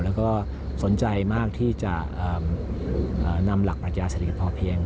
แล้วก็สนใจมากที่จะนำหลักปรัชญาเศรษฐกิจพอเพียง